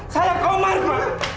saya komar pak